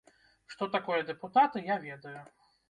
Што такое дэпутаты, я ведаю.